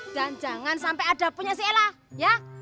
dan jangan sampai ada punya si ella ya